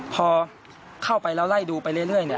พอเข้าไปแล้วไล่ดูไปเรื่อยเนี่ย